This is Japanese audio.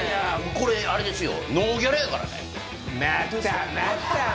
これあれですよ。